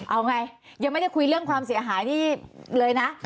เอาไงยังไม่ได้คุยเรื่องความเสียหายนี่เลยนะ